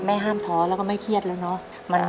ห้ามท้อแล้วก็ไม่เครียดแล้วเนอะ